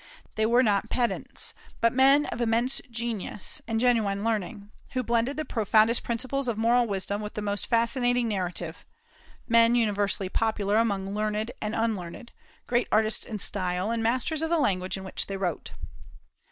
They were not pedants, but men of immense genius and genuine learning, who blended the profoundest principles of moral wisdom with the most fascinating narrative, men universally popular among learned and unlearned, great artists in style, and masters of the language in which they wrote.